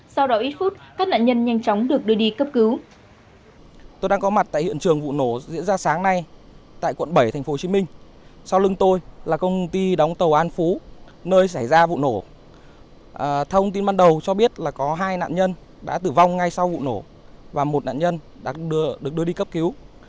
sau đó ít phút các nạn nhân nhanh chóng được đưa đi cấp cứu